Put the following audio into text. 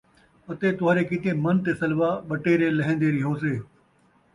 اَتے تُہاݙے کِیتے مَن تے سلویٰ ٻٹیرے لہیندے رِیہوسے